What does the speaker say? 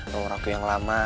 nomor aku yang lama